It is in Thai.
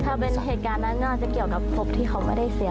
ถ้าเป็นเหตุการณ์นั้นน่าจะเกี่ยวกับพบที่เขาไม่ได้เสีย